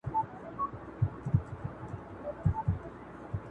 نو یې مخ سو پر جومات او پر لمونځونو!